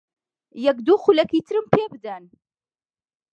یەک دوو خولەکی ترم پێ بدەن.